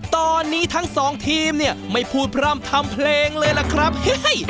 ตอนนี้ทั้งสองทีมเนี่ยไม่พูดพร่ำทำเพลงเลยล่ะครับเฮ้ย